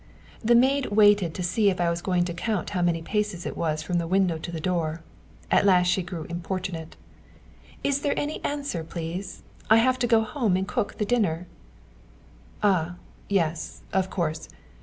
The maid waited to see if I was going to count how many paces it was from the window to the door. At last she grew importunate. "Is there any answer, please? I have to go home and cook the dinner." "Ah, yes, of course!